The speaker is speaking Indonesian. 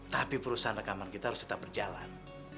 tapi perusahaan rekaman kita harus tetap berjalan